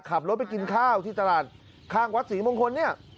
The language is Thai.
ขับรถไปกินข้าวที่ตลาดข้างวัดศรีมงคลเนี่ย